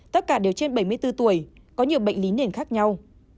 tất cả đều trên bảy mươi bốn tuổi có nhiều bệnh lý nền khác nhau